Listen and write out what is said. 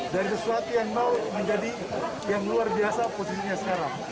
dari sesuatu yang mau menjadi yang luar biasa posisinya sekarang